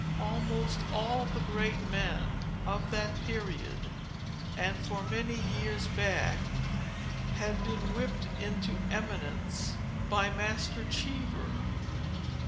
Almost all the great men of that period, and for many years back, had been whipt into eminence by Master Cheever.